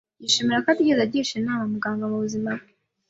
Yishimira ko atigeze agisha inama muganga mubuzima bwe.